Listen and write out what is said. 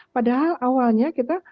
padahal awalnya kita